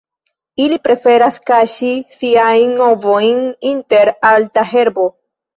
Ili preferas kaŝi siajn ovojn inter alta herbo.